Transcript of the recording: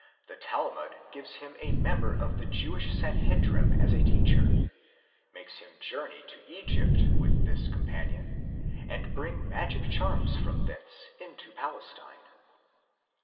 ® The Talmud gives him a member of the Jewish Sanhe drim as a teacher, makes him journey to Egypt with this companion, and bring magic charms from thence into Palestine.'